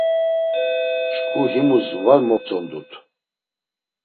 Şǩu himus var mop̌tzondut.